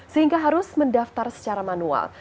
sehingga harus mendaftar secara manual